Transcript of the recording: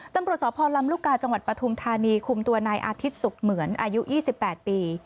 ตำรวจสพลำลูกกาจังหวัดปฐุมธานีคุมตัวนายอาทิตย์สุขเหมือนอายุ๒๘ปี